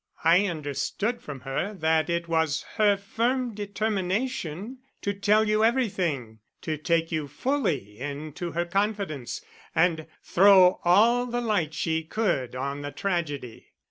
"I understood from her that it was her firm determination to tell you everything to take you fully into her confidence, and throw all the light she could on the tragedy."